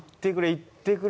行ってくれ！